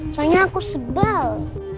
soalnya aku sebel